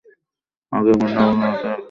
আগে গুন্ডা তাড়াতে একজন কনস্টেবলই যথেষ্ট ছিলো।